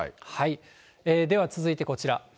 では続いてこちら。